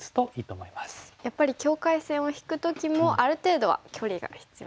やっぱり境界線を引く時もある程度は距離が必要なんですね。